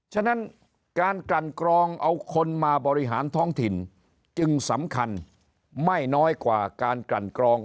ฉะนั้นการกลั่นกรองเอาคนมาบริหารท้องถิ่นจึงสำคัญไม่น้อยกว่าการกลั่นกรอง